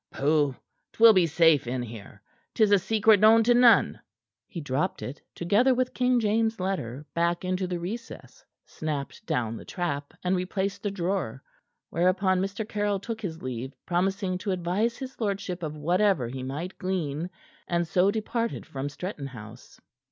"Pooh! 'Twill be safe in here. 'Tis a secret known to none." He dropped it, together with King James' letter, back into the recess, snapped down the trap, and replaced the drawer. Whereupon Mr. Caryll took his leave, promising to advise his lordship of whatever he might glean, and so departed from Stretton House.